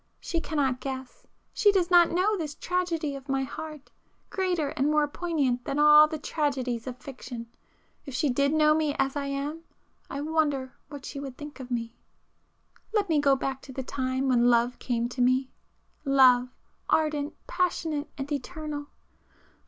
She cannot guess—she does not know this tragedy of my heart, greater and more poignant than all the tragedies of fiction. If she did know me as I am, I wonder what she would think of me! ····· Let me go back to the time when love came to me,—love, ardent, passionate, and eternal!